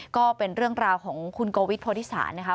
ก็เป็นเรื่องราวของคุณโกวิทโพธิศาลนะคะ